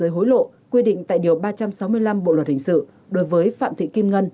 hối lộ quy định tại điều ba trăm sáu mươi năm bộ luật hình sự đối với phạm thị kim ngân